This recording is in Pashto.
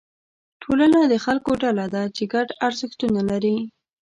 ټولنه د خلکو ډله ده چې ګډ ارزښتونه لري.